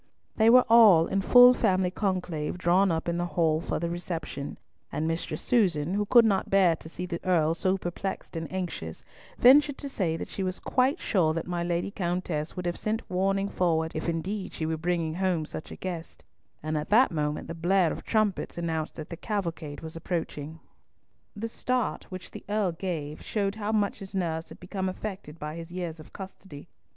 They were all in full family conclave drawn up in the hall for the reception, and Mistress Susan, who could not bear to see the Earl so perplexed and anxious, ventured to say that she was quite sure that my Lady Countess would have sent warning forward if indeed she were bringing home such a guest, and at that moment the blare of trumpets announced that the cavalcade was approaching. The start which the Earl gave showed how much his nerves had become affected by his years of custody.